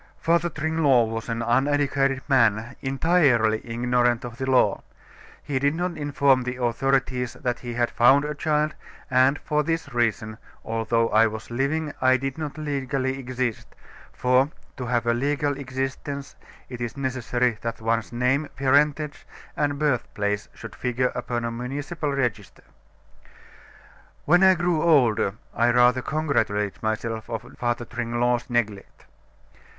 "Father Tringlot was an uneducated man, entirely ignorant of the law. He did not inform the authorities that he had found a child, and, for this reason, although I was living, I did not legally exist, for, to have a legal existence it is necessary that one's name, parentage, and birthplace should figure upon a municipal register. "When I grew older, I rather congratulated myself on Father Tringlot's neglect.